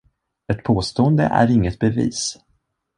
Ett påstående är inget bevis.